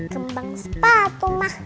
kembang sepatu ma